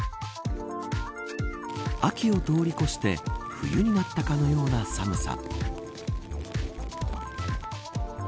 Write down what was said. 秋を通り越して冬になったかのような寒さ。